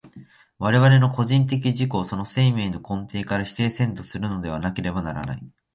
我々の個人的自己をその生命の根底から否定せんとするものでなければならない。